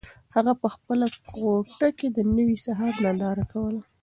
هغه په خپله کوټه کې د نوي سهار ننداره کوله.